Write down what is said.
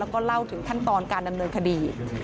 แล้วก็เล่าถึงขั้นตอนการดำเนินคดี